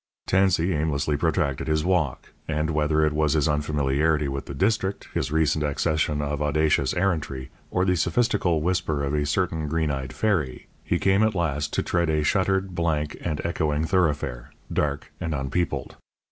Tansey aimlessly protracted his walk, and, whether it was his unfamiliarity with the district, his recent accession of audacious errantry, or the sophistical whisper of a certain green eyed fairy, he came at last to tread a shuttered, blank, and echoing thoroughfare, dark and unpeopled.